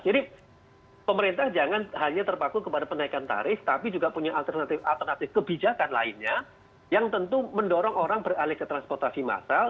jadi pemerintah jangan hanya terpaku kepada penaikan tarif tapi juga punya alternatif alternatif kebijakan lainnya yang tentu mendorong orang beralih ke transportasi massal